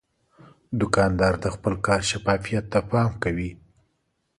دوکاندار د خپل کار شفافیت ته پام کوي.